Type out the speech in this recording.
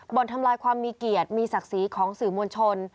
ทำลายความมีเกียรติมีศักดิ์ศรีของสื่อมวลชน